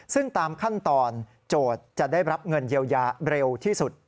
ซึ่งตามขั้นตอนโจทย์จะได้รับเงินเยียวยาเร็วที่สุด